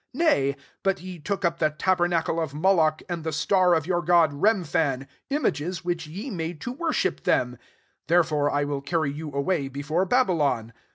43 Nay, but ye took up the tabernacle of Moloch, and the star of your god Remphan, images which ye made to worship them: there fore I will carry you away be yond Babylon.